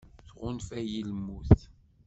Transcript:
Tɣunfa-yi lmut.